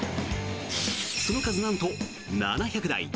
その数なんと７００台。